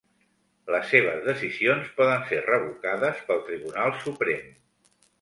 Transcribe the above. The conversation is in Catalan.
Les seves decisions poden ser revocades pel Tribunal Suprem.